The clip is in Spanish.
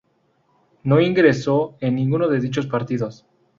No ingresó en ninguno de dichos partidos.